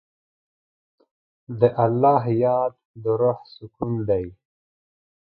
د الله یاد د روح سکون دی.